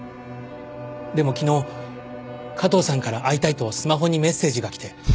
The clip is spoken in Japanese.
でも昨日加藤さんから会いたいとスマホにメッセージが来て。